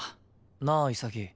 なあ潔。